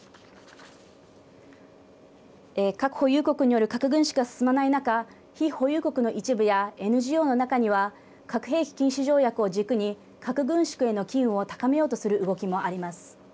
核保有国による核軍縮が進まない中非保有国の一部やＮＧＯの中には核兵器禁止条約を軸に核軍縮への機運を高めようとする動きもあります。